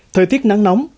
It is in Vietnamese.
thời tiết nắng nóng